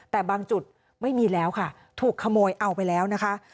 แต่บางจุดไม่มีแล้วค่ะถูกขโมยเอาไปแล้วนะคะ